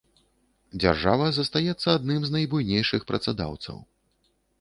Дзяржава застаецца адным з найбуйнейшых працадаўцаў.